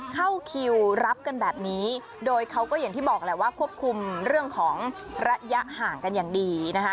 เข้าคิวรับกันแบบนี้โดยเขาก็อย่างที่บอกแหละว่าควบคุมเรื่องของระยะห่างกันอย่างดีนะคะ